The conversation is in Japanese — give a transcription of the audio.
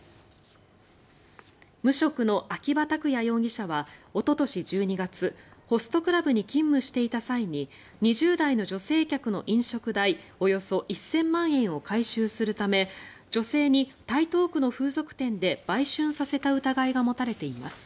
無職の秋葉拓也容疑者はおととし１２月ホストクラブに勤務していた際に２０代の女性客の飲食代およそ１０００万円を回収するため女性に台東区の風俗店で売春させた疑いが持たれています。